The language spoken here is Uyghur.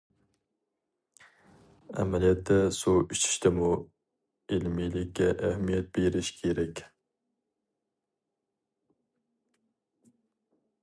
ئەمەلىيەتتە، سۇ ئىچىشتىمۇ ئىلمىيلىككە ئەھمىيەت بېرىش كېرەك.